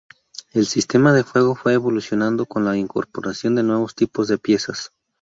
El sistema del juego fue evolucionando con la incorporación de nuevos tipos de piezas.